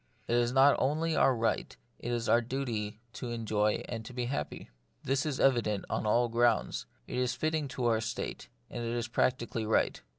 It is not only our right, it is our duty to enjoy and to be happy. This is evident on all grounds. It is fitting to our state, and it is practically right.